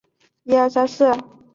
山阴本线。